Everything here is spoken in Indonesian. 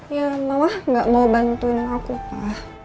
ya mama nggak mau ngebantuin sama aku pak